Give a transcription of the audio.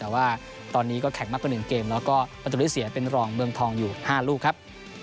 แต่ว่าตอนนี้ก็แข่งมากกว่า๑เกมแล้วก็ประตูที่เสียเป็นรองเมืองทองอยู่๕ลูกครับ